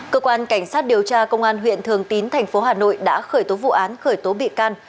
cơ quan cảnh sát điều tra công an huyện thường tín thành phố hà nội đã khởi tố vụ án khởi tố bị can